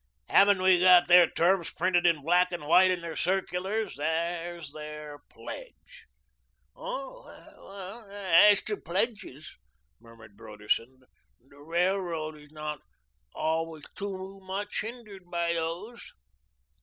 Haven't we got their terms printed in black and white in their circulars? There's their pledge." "Oh, as to pledges," murmured Broderson, "the railroad is not always TOO much hindered by those."